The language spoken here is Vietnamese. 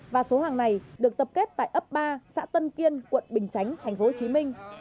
và số hàng này được tập kết tại ấp ba xã tân kiên quận bình chánh tp hcm